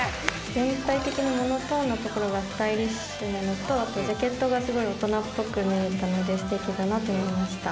全体的にモノトーンなところがスタイリッシュなのとあとジャケットがすごい大人っぽく見えたので素敵だなと思いました。ＨｉＨｉＪｅｔｓ